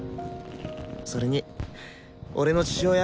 それに俺の父親